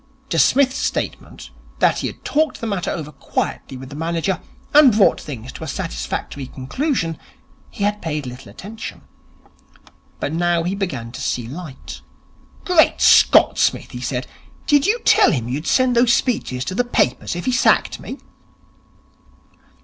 To Psmith's statement, that he had talked the matter over quietly with the manager and brought things to a satisfactory conclusion, he had paid little attention. But now he began to see light. 'Great Scott, Smith,' he said, 'did you tell him you'd send those speeches to the papers if he sacked me?'